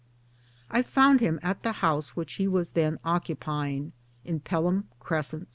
I found him at the house which he was then occupying in Pelham Crescent, S.